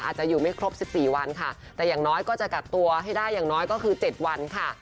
อาจจะอยู่ไม่ครบ๑๔วันค่ะแต่อย่างน้อยก็จะกักตัวให้ได้อย่างน้อยก็คือ๗วันค่ะ